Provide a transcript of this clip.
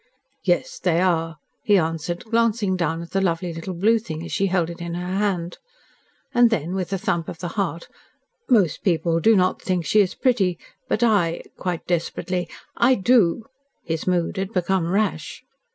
"Yes, they are," he answered, glancing down at the lovely little blue thing as she held it in her hand. And then, with a thump of the heart, "Most people do not think she is pretty, but I " quite desperately "I DO." His mood had become rash.